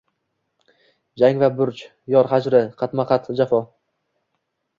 Jang va burch… Yor hajri… Qatma-qat jafo.